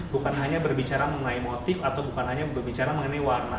bukan hanya berbicara mengenai motif atau bukan hanya berbicara mengenai warna